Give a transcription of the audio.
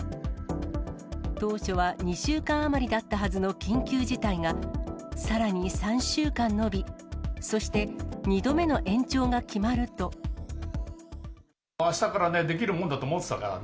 当初は２週間余りだったはずの緊急事態が、さらに３週間延び、あしたからできるもんだと思ってたからね。